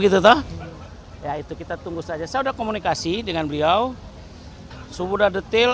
gitu toh ya itu kita tunggu saja saya sudah komunikasi dengan beliau sumber detail